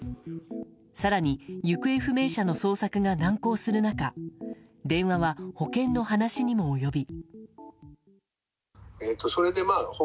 更に、行方不明者の捜索が難航する中電話は保険の話にも及び。